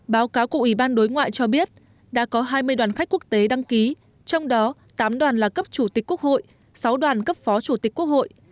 báo cáo của ủy ban đối ngoại cho biết đã có hai mươi đoàn khách quốc tế đăng ký trong đó tám đoàn là cấp chủ tịch quốc hội sáu đoàn cấp phó chủ tịch quốc hội